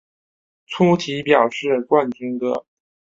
粗体表示冠军歌